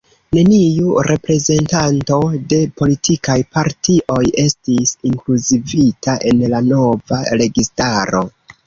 Neniu reprezentanto de politikaj partioj estis inkluzivita en la nova registaro.